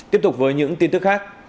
tiếp tục với những tin tức khác